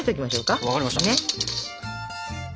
分かりました！